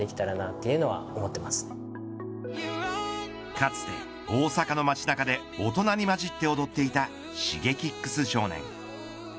かつて、大阪の街中で大人に交じって踊っていたＳｈｉｇｅｋｉｘ少年。